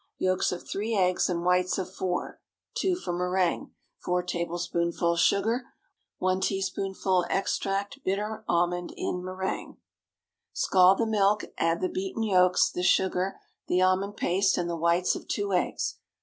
Yolks of three eggs and whites of four—(two for méringue). 4 tablespoonfuls sugar. 1 teaspoonful extract bitter almond in méringue. Scald the milk, add the beaten yolks, the sugar, the almond paste, and the whites of two eggs.